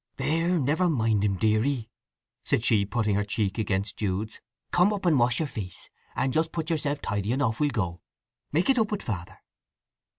"There—never mind him, deary," said she, putting her cheek against Jude's. "Come up and wash your face, and just put yourself tidy, and off we'll go. Make it up with Father."